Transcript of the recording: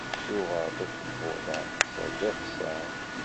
Uɣeɣ-d akebbuḍ-a s rrixsan.